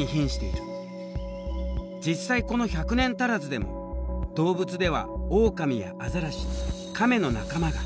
実際この１００年足らずでも動物ではオオカミやアザラシカメの仲間が。